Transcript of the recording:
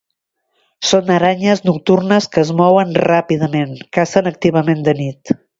Són aranyes nocturnes que es mouen ràpidament; cacen activament de nit.